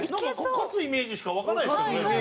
勝つイメージしか湧かないですけどね。